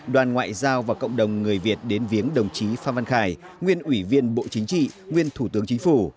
đoàn ngoại giao và cộng đồng người việt đến viếng đồng chí phan văn khải nguyên ủy viên bộ chính trị nguyên thủ tướng chính phủ